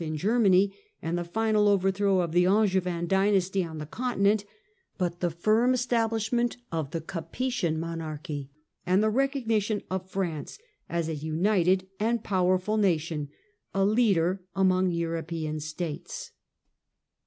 in Germany and the final overthrow of the Angevin dynasty on the Continent, but the firm establishment of the Capetian monarchy, and the recognition of France as a united and powerful nation, a leader among European States.